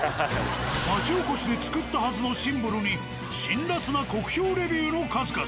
街おこしで作ったはずのシンボルに辛辣な酷評レビューの数々。